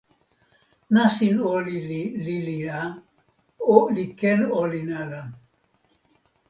nasin olin li lili a, li ken olin ala.